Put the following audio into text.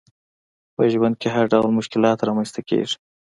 په ژوند کي هرډول مشکلات رامنځته کیږي